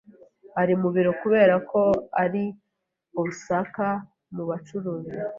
Ari mu biro kubera ko ari Osaka mu bucuruzi.